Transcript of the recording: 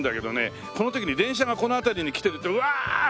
この時に電車がこの辺りに来てるとうわーっ！